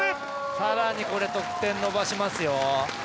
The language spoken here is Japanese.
更にこれ得点伸ばしますよ。